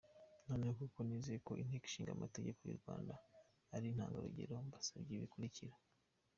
Noneho kuko nizeye ko Inteko Ishinga Amategeko yu Rwanda ari intangarugero, mbasabye ibi bikurikira ;.